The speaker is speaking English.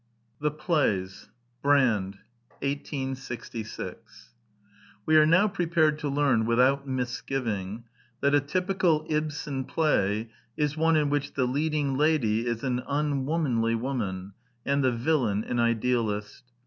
THE PLAYS Brand 1866 We are now prepared to learn without misgiving that a typical Ibsen play is one in which the lead ing lady is an unwomanly woman, and the villain an idealist.